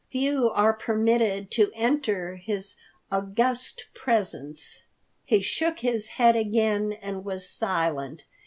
"Few are permitted to enter his august presence." He shook his head again, and was silent.